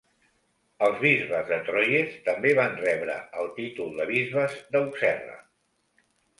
Els bisbes de Troyes també van rebre el títol de bisbes d'Auxerre.